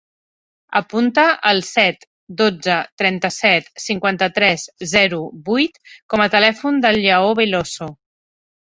Apunta el set, dotze, trenta-set, cinquanta-tres, zero, vuit com a telèfon del Lleó Belloso.